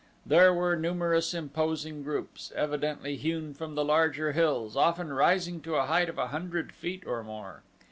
There were numerous imposing groups, evidently hewn from the larger hills, often rising to a height of a hundred feet or more.